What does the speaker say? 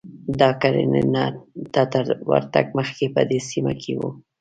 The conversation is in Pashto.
دا کرنې ته تر ورتګ مخکې په دې سیمه کې و